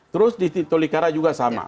terus di tolikara juga sama